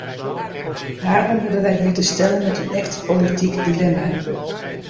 Daarom hebben wij hier te stellen met een echt politiek dilemma.